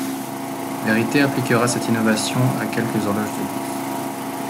Vérité appliquera cette innovation à quelques horloges de luxe.